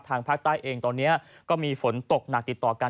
ภาคใต้เองตอนนี้ก็มีฝนตกหนักติดต่อกัน